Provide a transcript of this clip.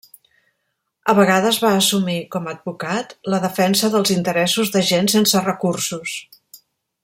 A vegades va assumir, com advocat, la defensa dels interessos de gent sense recursos.